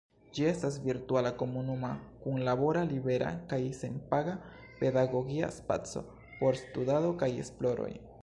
Ĝi estas virtuala komunuma kunlabora libera kaj senpaga pedagogia spaco por studado kaj esploroj.